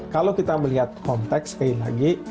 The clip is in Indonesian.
kalau kita melihat konteks sekali lagi